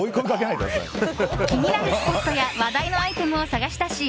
気になるスポットや話題のアイテムを探し出し